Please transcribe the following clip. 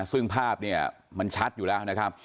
ซึ่งภาพเนี่ยมันชัดอยู่แล้วนะครับ